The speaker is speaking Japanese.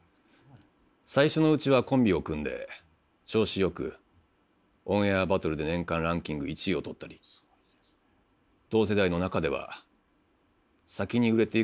最初のうちはコンビを組んで調子よく「オンエアバトル」で年間ランキング１位を取ったり同世代の中では先に売れていくような存在でした。